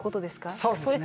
そうですね。